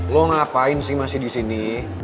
kamu ngapain masih di sini